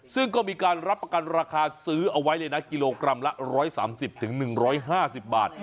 ซึ่งก็มีการรับประกันราคาซื้อเอาไว้เลยนะกิโลกรัมละ๑๓๐๑๕๐บาท